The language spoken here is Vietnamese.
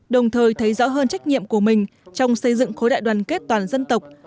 đồng thời thấy rõ hơn trách nhiệm của mình trong xây dựng khối đại đoàn kết toàn dân tộc